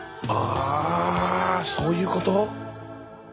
あそういうこと？